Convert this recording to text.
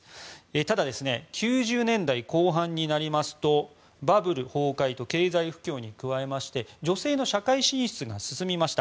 ただ、９０年代後半になりますとバブル崩壊と経済不況に加えて女性の社会進出が進みました。